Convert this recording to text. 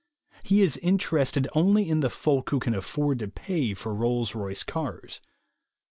He is inter ested only in the folk who can afford to pay for Rolls Royce cars.